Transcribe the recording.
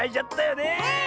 ねえ！